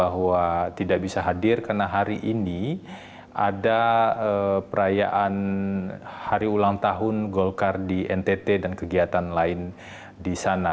hari ulang tahun golkar di ntt dan kegiatan lain di sana